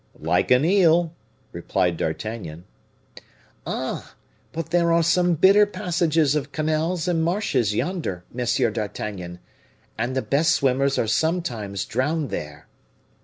"Like an eel," replied D'Artagnan. "Ah! but there are some bitter passages of canals and marshes yonder, Monsieur d'Artagnan, and the best swimmers are sometimes drowned there."